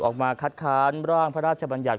ออกมาคัดค้านร่างพระราชบัญญัติ